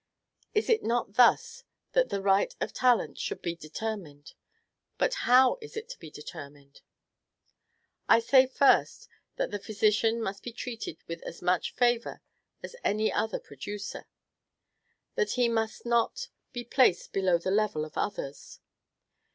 It is not thus that the right of talent should be determined. But how is it to be determined? 4. I say, first, that the physician must be treated with as much favor as any other producer, that he must not be placed below the level of others.